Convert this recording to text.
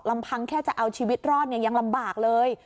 ลำพังแค่จะเอาชีวิตรอดเนี่ยยังลำบากเลย